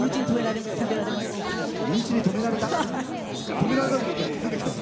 身内に止められました。